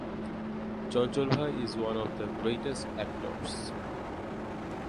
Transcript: চঞ্চল ভাই is one of the greatest actors.